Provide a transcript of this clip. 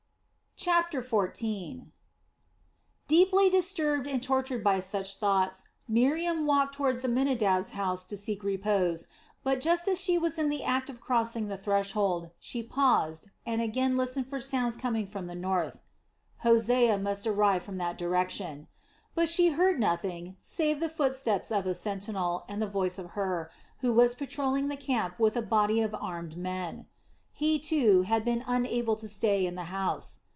CHAPTER XIV Deeply disturbed and tortured by such thoughts, Miriam walked toward Amminadab's house to seek repose; but just as she was in the act of crossing the threshold, she paused and again listened for sounds coming from the north. Hosea must arrive from that direction. But she heard nothing save the footsteps of a sentinel and the voice of Hur, who was patrolling the camp with a body of armed men. He, too, had been unable to stay in the house.